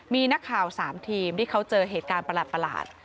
มีนักข่าว๓ทีมที่เขาเจอเหตุการณ์ประหลาด